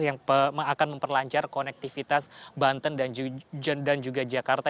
yang akan memperlancar konektivitas banten dan juga jakarta